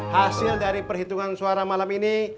hasil dari perhitungan suara malam ini